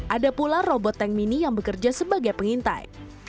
ada pula robot tank mini yang bekerja sebagai pengintai